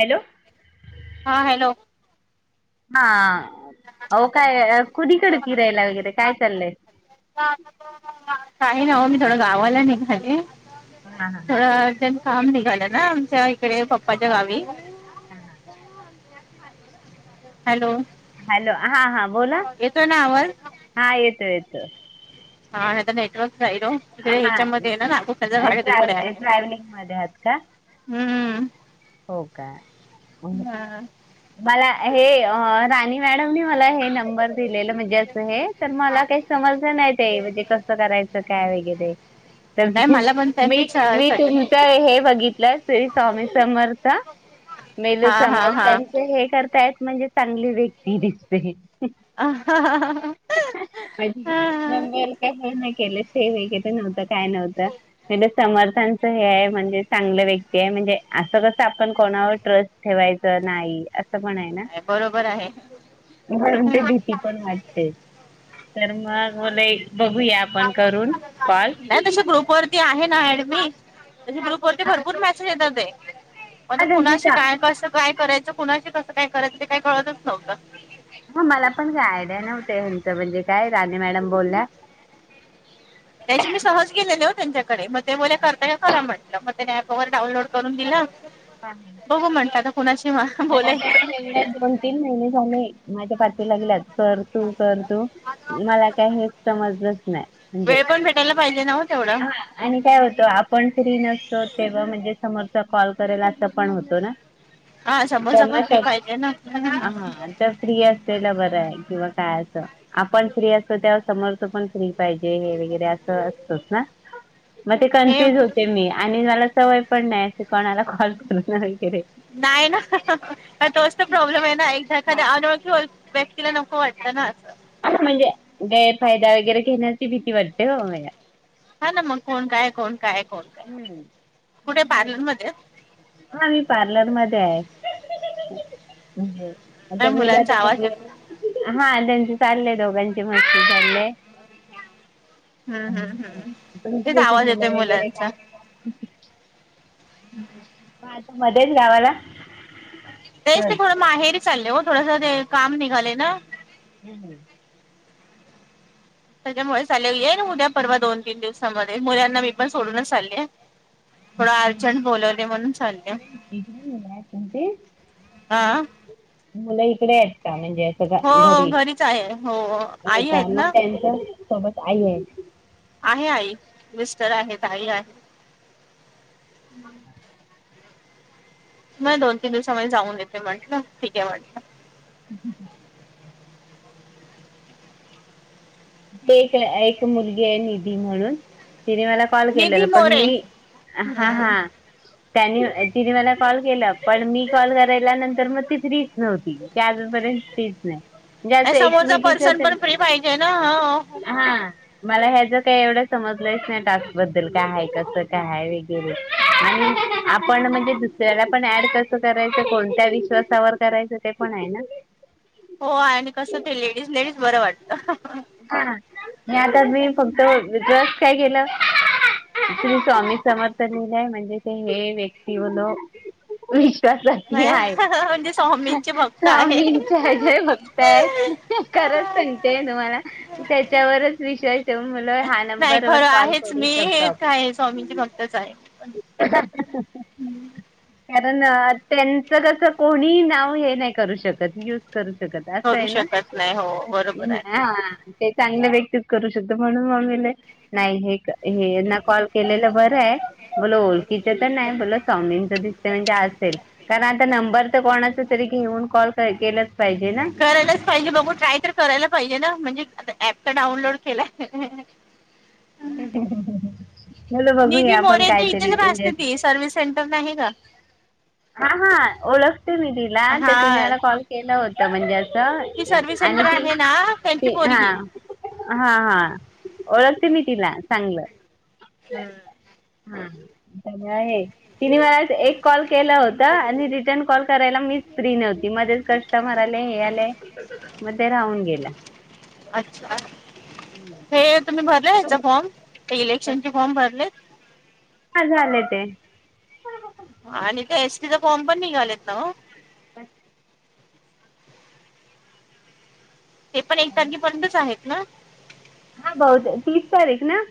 Hello. हा hello. हा. आहो काय कुणीकडे फिरायला वगैरे काय चाललंय? काही नाही वो मी थोडं गावाला निघाले. हा हा. अ अर्जंट काम निघालं ना आमच्या इकडे पप्पाच्या गावी. हा हा. हॅलो. हॅलो. हा हा. बोला येतोय ना आवाज हा येतो येतो. हा. हे तर नेटवर्क जा [unintelligible] तकडे हा ह्याच्यामध्ये आहे ना? ना खूप [unintelligible] ट्रॅव्ह आहे. ट्रॅव्हलिंग मध्ये आहात का हम्म. हो का? ह मला हे ह राणी मॅडमनी मला हे न- बर दिलेलं म्हणजे अस हे तर मला काही समजल नाही. ते म्हणजे कस करायच ते. काय वगैरे. तर मी नाही मला पण त्यांनी मी सजेस्ट तुम - - च हे बघितलं श्री स्वामी समर्थ- हा [unintelligible] हा हा समर्थांचं हे करतायेत म्हणजे चांगली व्यक्ती दिसते. ह हा नंबर काही हे नाही केले. [unintelligible] नव्हतं काय नव्हतं म्हटलं समर्थांचं हे आहे म्हणजे चांगलं व्यक्ती आहे म्हणजे असं कस- आपण कोणावर ट्रस्ट ठेवायच नाही अस - पण आहे ना? नाही बरोबर आहे म्हणून ते भीती पण वाटते. तर मग बोले एक बघूया आपण करून कॉल. गप वरती आहे ना ऐडमीन? त्या ग्रुप वरती भरपूर मॅसेज येतात ते. मग हा त्यांची कुणाशी काय हा कसं काय करायचं? कुणाशी कसं काय करायचं? ते काय कळतच नव्हतं. ह. मला पण काय आयडिया नव्हत. ह्याचं म्हणजे काय राणी मॅडम बोलल्या- त्याशी मी सहज गेलेले हो त्यांच्याकडे. मग ते बोलले करता का? करा म्हटलं. मग त्यानी ऍप वगैरे डाउनलोड करून दिल. बघू म्हणलं आता कुणाशी बोलायचं? [unintelligible] तीन महिने झाले माझ्या पाठी लागल्यात कर. तू. कर तू. मला काही हे समजलच नाही म्हणजे- वेळ पण भेटायला पाहिजे ना हो तेवढा. आणि काय होतो आपण फ्री नसतो तेव्हा म्हणजे समोरचा कॉल करेल अस पण होतो ना. हा सबर तेव्हा सबर. शक हा तर फ्री असतेल बरं आहे किंवा काय असं. आपण फ्री असतो त्या समोर तो पण फ्री पाहिजे हे वगैरे असं असत ना. मग ते हे कन्फ्युज होते मी आणि मला सवय पण नाही असे कोणाला कॉल करणार वगैरे. नाही ना पण तोच तर प्रॉब्लेम आहे ना एकदा एखा्या अनोळखी. व्यक्तीला नक वाटत ना असं. म्हणजे गैरफायदा वगैरे घेण्यासची भीती वाटते हो म हा ना मग कोण काय कोण काय कोण. काय कुठे हम् ह पार्लर मध्ये हा मी पार्लर म ध्येआहे म्हणजे. नाही आता मला मुलांचा तर आवाज बघ येतो. हा त्यांचे चाललेय दोघांची मस्ती चालले. हम्म हम्म हम्म तुमची तेच कशी आवाज येतोय मुलं वगैरे काय. हम् ह आता मध्येच गावाला. तेच ते सहज थोडं माहेरी चालले हो थोडंसं ते काम निघाले ना. हम ह त्याच्यामुळे चाले आहे उद्या परवा दोन तीन दिवसाांमध्ये मुलांना मी पण सोडूनच चालले आहे. थोड म्हणजे अर्जंट बोलवले म्हणून चालल्या इकडे इकडे मुलं आहेत तुमची हा. मुलं इकडे आहेत का म्हणजे. स हो घरी घरीच आहे हो हो आई आहेत का मग ना त्यांच सोबत आई आहे. आहे आई मिस्टर आहेत आई आहे. हम्. म दोन तीन दिवसाांमध्ये जाऊन येते म्हंटलं ठीक आहे म्हटलं. ह् ह ते एक एक मुलगी आहे निधी म्हणून तिने मला. कॉल निधी केलेला पण मोरे मी हा हा. हम्म त्यानी तिने मला कॉल केला पण मी कॉल करायला नंतर मग ती फ्रीच नव्हती. की आजपर्यंत तेच नाही म्हणजे नाही असं समोरचा पर्सन एकमेकीच पण फ्री पाहिजे ना. हा मला ह्याच काही एवढं समजलंच नाही टास्क बद्दल कायय कसं कायय वगैरे. आणि आपण म्हणजे दुसऱ्याला पण ऍड कसं करायचं कोणत्या विश्वासावर करायचं ते. पण आहे ना. हो आणि कसं ते लेडीज लेडीज बरं वाटतं. हा म आता मी फक्त जस काय केलं. अचली स्वामी समर्थ लिहील आहे म्हणजे ते हे व्यक्ती होल. विश्वासातली आहे म्हणजे स्वामींचे भक्त आहे. स्वामी. जय जय बक्तय खरच सांगतेय तुम्हाला. त्याच्यावरच विश्वास ठेऊ मु ह नाही खरं आहेच मी हे काय स्वामींची फक्तच आहे. [inaudible] कारण त्यांच कस कोणी नाव हे नाही करू शकत. करू शकत असं करू आहे ना. शकत नाही हो बरोबर आहे. ते चांगले व्यक्तीत करू शकतो म्हणून मले नाही हे. हे यांना कॉल केलेलं बरं आहे बोला ओळखीच तर नाही बोला. दिस म्हणजे असेल कारण आता नंबर तर कोणाच तरी घेऊन कॉल के करायलाच पाहिजे बघू ट्राय कर. करायला पाहिजे ना म्हणजे आ ऍप तर डाऊनलोड केला. चलो बघूया आपण कायतरी म्हणजे, सेटर नाही आहे का, हा हा ओळखते मी तिला तर तिने हा मला कॉल केला होता म्हणजे असं. ती सर्व्हिस आणि सेंटर ती आहे ना त्यांची ती हा परगी हा हा ओळखते मी तिला चांगलं हम्म हा आहे तिने मला एक कॉल केलं होत आणि रिटर्न कॉल करायला मी फ्री नव्हती मझेच कस्टमर आले हे आलंय मध्ये राहून गेला अच्छा हे तुम्ही भरले ह्याचा फॉर्म ते इलेक्शन फॉर्म भरले ह झालं ते आणि ते एसटीचा फॉर्म पण निघालेत ना अचछा ते पण एक हॅलो तारखेपर्यंतच आहेत ना हा बहत तीस तारीख ना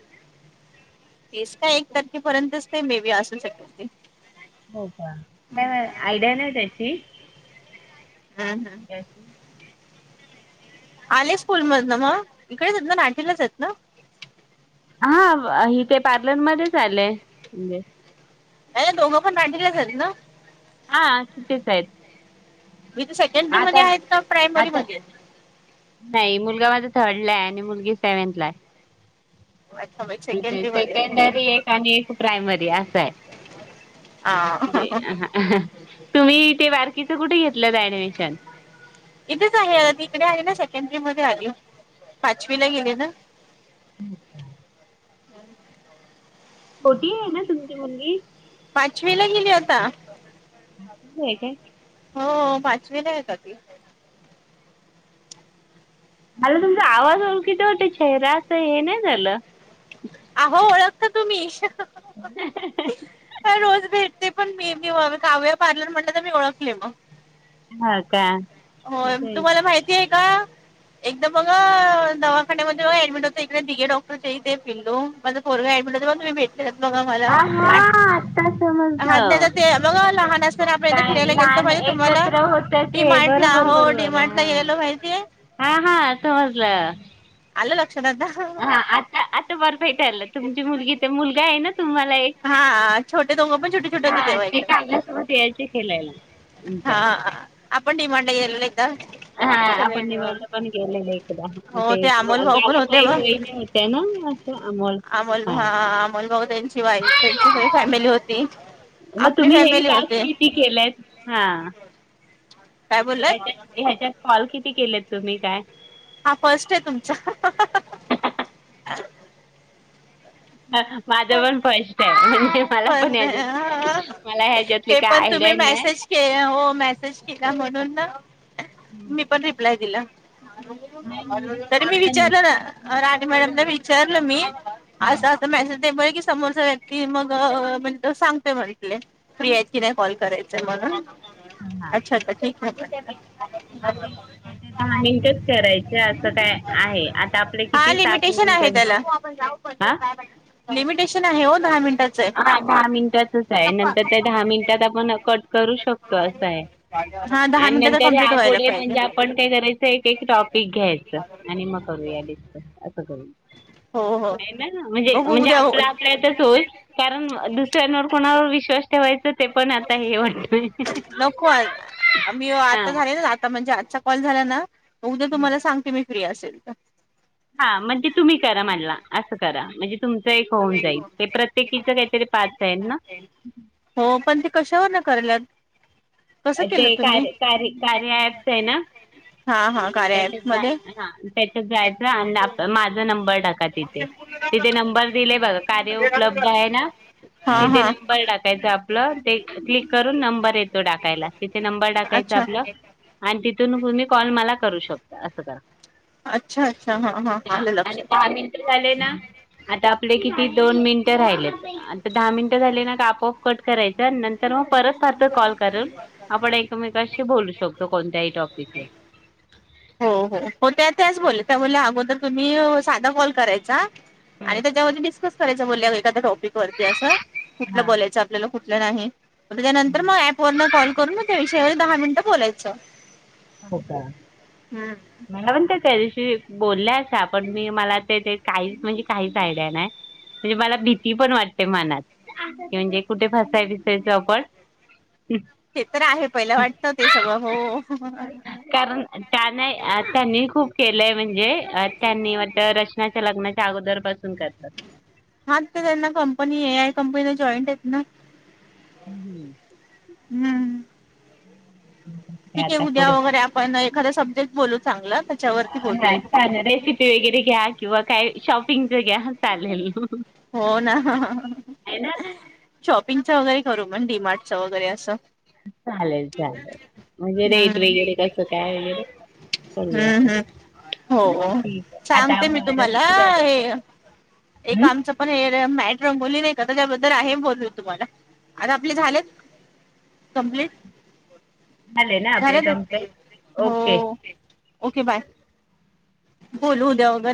तेस का एक तारखेपर्यंतच ते मे बी असू शके ते हो का काय आयडिया नाही त्याची हा हा कशी आले स्कूल मध ना मग इकडेच आहेतेत ना नाटलाच आहेत ना हा हि ते पार्लरमध्येध्येच आलेय म्हणजे अ दोघं पण मटल्या झाली ना हां तिथेच आहेत मी ते सेकंडरीमध्ये आता आहेत का आता प्रायमरीमध्येध्ये नाही मुलगामध्येझ थर्ड ला आहे आणि मुलगी सेव्हन्थ ला आहे अच्छा ब सेकंडरी एक आणि एक प्रायमरी असा आहे ह म्हणजे तुम्ही ते बारकीचं कुठे घेतलं तर ऍडमिशन इथेच आहे आता त इिकडे आली ना सेकंड्री मध्ये आली पाचवी ला गेले ना मोटी आहे ना तुमची मुलगी पाचवी ला गेली आता ह आहे काय हो पाचवी नाही आहे का ती मला तुमचा आवाज ओळखीती वाट चेहरा असं हे नाही झालं अहो ओळखता तुम्ही ह ह रोज भेटते पण मी म व कावया पार्लर म्हणलं तर मी ओळखले मग हा का हो तेच तुम्हाला माहिती आहे का? [inaudible] एकदा बघ दवाखान्यामध्ये ऍडमिट होतं इकडे िघे डॉक्टरच्या इथे फिल्डून होरय तुम भे बघा मला हा हा आता हा समजलं. त्याला ते बघा लहान अस र आपण इथे काय फिरायला गेलतो लहान माहिते तुम्हाला एकत्र होत डी ते मार्टला बरोबर हो डी बरोबर मार्टला हा. यायला माहितीये. हा हां समजलं. आलं लक्षात आता. हा आता आता परफेक्ट आलं तुमची मुलगी ते मुलगा आहे ना तुम्हाला एक. हा छोटे दोघं पण छोटे छोटे हा होते तेव्हा ते एकदम कांगल्यासोबत यायचे केलंय. पिंट्या. हा आपण डी मार्ट ला गेलेलो एकदा. हा सगळे आपण डी मार्ट मिळून ला पण गेलेलो एकदा हो ते अमोल भाऊ पण होते गावातले एक बघ वहिणी होत्या ना? [unintelligible] अमोल हा अमोल भाऊ त्यांची वाईफ त्यांची सगळी फॅमिली होती आपली फॅमिली होते. ती केलंय हां. काय बोललात हच्यात ह्याच्यात कॉल किती केलेत तुम्ही काय? हा फस्ट आहे तुमचा. माझं पण फस्ट आहे म्हणजे मला पण फर्स्ट ह्याच्यातली आहे मला ह्याच्यातली ते काय पण आयडिया तुम्ही नाही. मेसेज मेसेज केला म्हणून ना हम्म. मी पण रिप्लाय दिला. नाही मी नाही तरी मी आता विचारलं नक्की ना नक्की राणी कोण मॅडमला आहे विचारलं काय मी. आहे हां असं असं मेसेज आहे समोरचा व्यक्ती मग म्हणज त सांगतोय म्हटले फ्री आहेत की नाही कॉल करायच म्हणून. हां हां अच्छा अच्छा ठीक आहे. हां ते काय दहा मिनटंच करायचे असं काय आहे आता आपले किती सात मिनटं पण जाऊ हां प्र [unintelligible] लिमिटेशन आहे हो दहा मिनटाच. हा दहा मिनिटाचच आहे नंतर त्या दहा मिनिटात आपण कट करू शकतो असं आहे. हा दहा आणि मिनिटाचा नंतर कंप्लीट व्हायला यापुढे पाहिजे म्हणजे आपण काय करायचं एक एक टॉपिक घ्यायचं आणि मग करू या हे असं. हो हो. [unintelligible] ना म्हणजे बघू म्हणजे उद्या आपला आपल्यातच होईल. कारण दुसऱ्यांवर कोणावर विश्वास ठेवायच. नको आज मी हां आता झाले ना आता म्हणजे आता कॉल झाला ना उद्या तुम्हाला सांगते मी फ्री असेल तर. हा म्हणजे तुम्ही करा मला असं करा म्हणजे. तुमचं एक होऊन जाईल ते प्रत्येकीच्या काहीतरी पाच आहेत ना? हो पण ते कशावर ना करायल्यात? ते कार कार कार्य ऍप्स आहे ना? हां हां त्याच्या हा त्याच्यात जायचं आणि माझा नंबर टाकायचा. तिथे तिथे नंबर दिलेय बघा कार्य उपलब्ध आहे ना, हा तिथे हा नंबर टाकायचा आपलं ते क्लिक करून नंबर येत येतो टाकायला तिथे नंबर टाकायचा अच्छा आपला आणि तिथून तुम्ही कॉल मला करू शकतो असं करा. अच्छा अच्छा हा हां आलं आणि लक्षात दहा मिनटं झाले ना आता आपले किती दोन मिनिट राहिलेत. ता दहा मिनटं झाले ना आपोआप कट करायचं नंतर मग परत फारत कॉल करून आपण एकमेकशी बोलू शकतो कोणत्याही टॉपिकवर हो हो हो त्या त्याच बोलल्या त्या अगोदर तुम्ही साधा कॉल करायचा आणि त्याच्यावर डिस्कस करायच बोल एखाद्या टॉपिक वरती असं कुठलं बोलायच आपल्याला कुठलं नाही त्यानंतर मग ऍप वर न कॉल करून ना त्या विषयावर दहा मिनिटं बोलायचं हो का हम् मला पण ते त्या दिवशी बोलल्या पण मी मला ते ते काहीच म्हणजे काहीच आयडिया नाही म्हणजे मला भीती पण वाटते मनात की म्हणजे कुठे फसा बिसायचो आपण ते तर आहे पहिलं वाटत ते सगळं हो कारण त्यान त्यांनी खूप केलंय म्हणजे त्यांनी वात लग्नाच्या अगोदर पासून करतात हा ते त्यांना कंपनी ए आय कंपनीला जॉईंट आहेत ना हम्मम् हम्म ठीक आहे आता उद्या पुढे वगैरे आपण एखाद सब्जेक्ट बोलू चांगलं चाले रेसिपी वगैरे घ्या किंवा काय शॉपिंगच घ्या चालेल हो ना आहे ना शॉपिंगच वगैरे करू मण डीमार्टच वगैरे असं चालेल चालेल म्हणजे रेट हम्म वगैरे कसं काय हम्म वगैरे हम्म हो ठीक आहे आता सांगते मी माझ तुम्हाला किती झालं हे एक हं? आमचं पण हे मॅट रंगोली नाही त्याबद्दल आहे बोलू तुम्हाला आता आपले झालेत कमप्लीट ना आपले झाले कंप्लेंट का हो ओके ओके बाय बोलू उद्या वगैरे